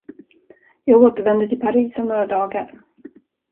Jag återvänder till Paris om några dagar.